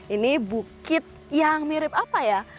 ini bukit yang mirip apa ya